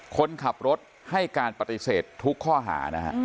คนขับรถให้การปฏิเสธทุกข้อหานะฮะ